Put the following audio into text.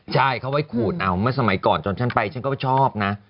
ใช่เขาเอาไว้ขูดไว้ก่อนจนฉันไปแล้วฉันก็ชอบนะ